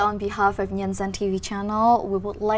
nhưng tôi nghĩ